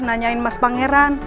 nanyain mas pangeran